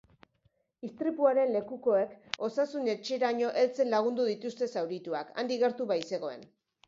Istripuaren lekukoek osasun-etxeraino heltzen lagundu dituzte zaurituak, handik gertu baitzegoen.